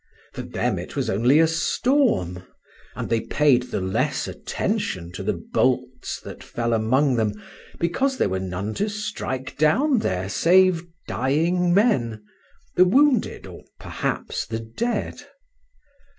For them it was only a storm, and they paid the less attention to the bolts that fell among them because there were none to strike down there save dying men, the wounded, or perhaps the dead.